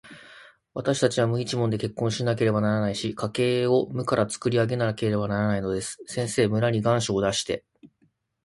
わたしたちは無一文で結婚しなければならないし、家計を無からつくり上げなければならないのです。先生、村に願書を出して、